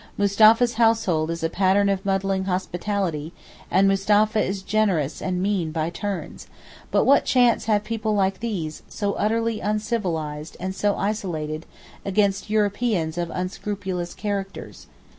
Mustapha's household is a pattern of muddling hospitality, and Mustapha is generous and mean by turns; but what chance have people like these, so utterly uncivilized and so isolated, against Europeans of unscrupulous characters.